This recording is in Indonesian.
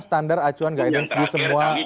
standar acuan guidance di semua